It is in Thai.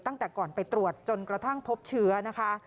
ตั้งแต่ก่อนไปตรวจจนกระทั่งพบเชื้อนะคะ